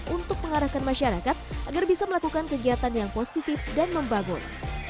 untuk mengarahkan masyarakat agar bisa melakukan kegiatan yang positif dan membangun